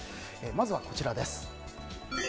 まずは、こちらです。